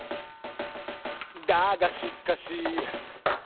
「だがしかし」